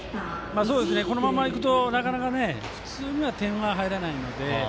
このままいくと、なかなか普通には点は入らないので。